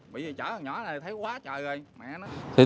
bây giờ chở con nhỏ này thấy quá trời rồi